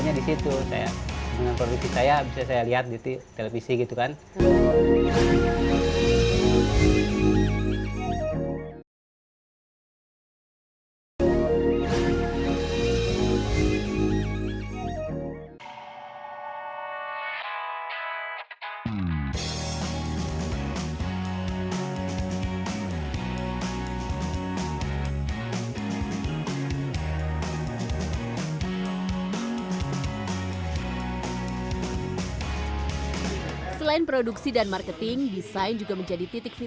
jangan lupa like share dan subscribe channel ini